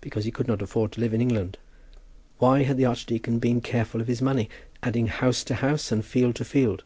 because he could not afford to live in England. Why had the archdeacon been careful of his money, adding house to house and field to field?